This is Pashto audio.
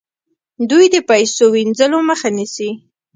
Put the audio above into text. دوی د پیسو وینځلو مخه نیسي.